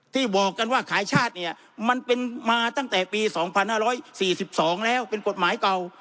บอกกันว่าขายชาติเนี่ยมันเป็นมาตั้งแต่ปี๒๕๔๒แล้วเป็นกฎหมายเก่า